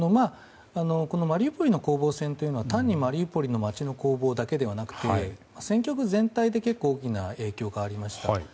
このマリウポリの攻防戦というのは単にマリウポリの街の攻防だけではなくて戦況全体で結構な影響がありました。